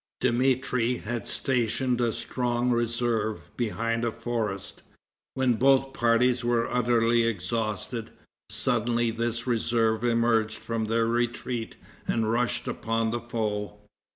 Dmitri had stationed a strong reserve behind a forest. When both parties were utterly exhausted, suddenly this reserve emerged from their retreat and rushed upon the foe.